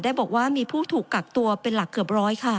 บอกว่ามีผู้ถูกกักตัวเป็นหลักเกือบร้อยค่ะ